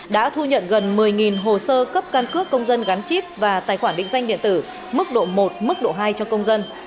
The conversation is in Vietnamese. đã thu nhận gần một mươi hồ sơ cấp căn cước công dân gắn chip và tài khoản định danh điện tử mức độ một mức độ hai cho công dân